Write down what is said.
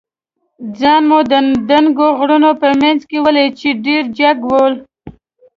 ځان مو د دنګو غرونو په منځ کې ولید، چې ډېر جګ ول.